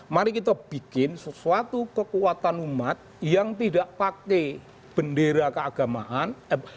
mari kita bikin sesuatu kekuatan umat yang tidak pakai bendera keagamaan